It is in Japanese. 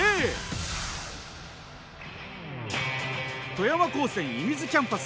富山高専射水キャンパス